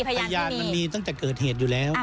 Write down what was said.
พยานมันมีตั้งแต่เกิดเหตุอยู่แล้ว